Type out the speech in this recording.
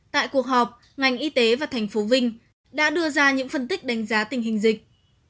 tại cuộc họp ngành y tế và thành phố vinh đã đưa ra những phân tích đánh giá tình hình dịch